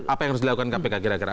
apa yang harus dilakukan kpk kira kira